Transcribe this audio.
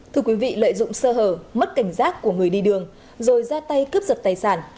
thưa quý vị lợi dụng sơ hở mất cảnh giác của người đi đường rồi ra tay cướp giật tài sản